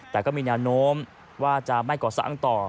แต่ก็มีแนวโน้มว่าจะไม่ก่อสร้างต่อ